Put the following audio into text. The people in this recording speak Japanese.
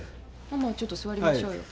まあちょっと座りましょうよ。